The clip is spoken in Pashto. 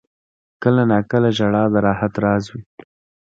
• کله ناکله ژړا د راحت راز وي.